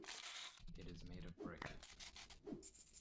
It is made of brick.